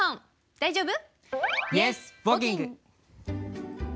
大丈夫？